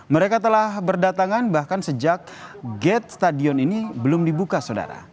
mereka telah berdatangan bahkan sejak gate stadion ini belum dibuka saudara